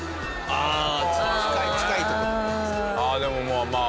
ああでもまあまあ。